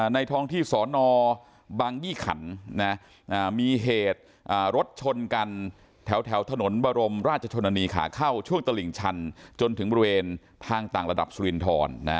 ท้องที่สอนอบังยี่ขันมีเหตุรถชนกันแถวถนนบรมราชชนนีขาเข้าช่วงตลิ่งชันจนถึงบริเวณทางต่างระดับสุรินทร